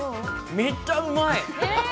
めっちゃうまい！